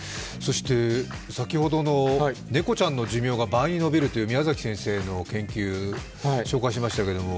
先ほどの猫ちゃんの寿命が倍にのびるという宮崎先生の研究を紹介しましたけれども。